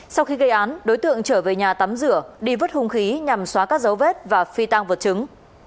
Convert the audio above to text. sau khi gây án đối tượng trở về nhà tắm rửa đi vứt hung khí nhằm xóa các dấu vết và phi tăng vật chứng